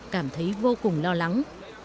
cảm thấy vô cùng lo lắng